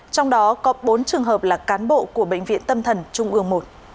trong đó có bốn trường hợp là cán bộ của bệnh viện tâm thần trung ương i